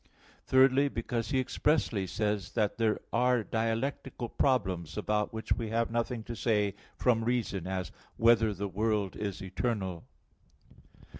Thirdly, because he expressly says (Topic. i, 9), that there are dialectical problems, about which we have nothing to say from reason, as, "whether the world is eternal."